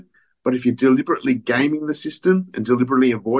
tetapi jika anda bergabung secara berterusan